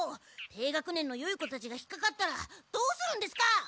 低学年のよい子たちが引っかかったらどうするんですか！